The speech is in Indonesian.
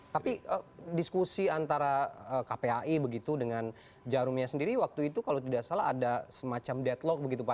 tapi diskusi antara kpai begitu dengan jarumnya sendiri waktu itu kalau tidak salah ada semacam deadlock begitu pak